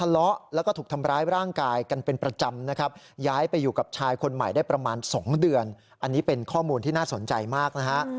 แล้วคุณหมายได้ประมาณ๒เดือนอันนี้เป็นข้อมูลที่น่าสนใจมากนะฮะ